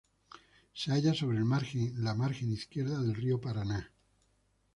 Se halla sobre la margen izquierda del río Paraná.